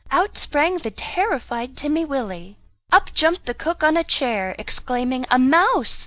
Out sprang the terrified Timmy Willie. Up jumped the cook on a chair, exclaiming "A mouse!